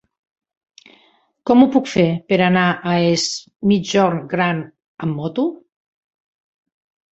Com ho puc fer per anar a Es Migjorn Gran amb moto?